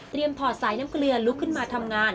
เตรียมพอดทรายน้ำเกลือนลุกขึ้นมาทำงาน